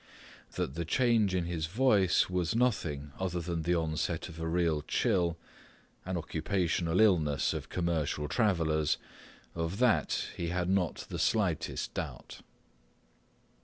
That the change in his voice was nothing other than the onset of a real chill, an occupational illness of commercial travellers, of that he had not the slightest doubt.